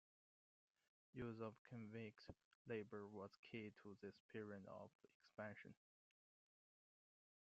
Use of convict labour was key to this period of expansion.